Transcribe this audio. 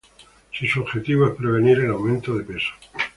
Si su objetivo es prevenir el aumento de peso